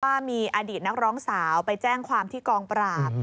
ว่ามีอดีตนักร้องสาวไปแจ้งความที่กองปราบ